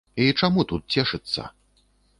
І чаму тут цешыцца?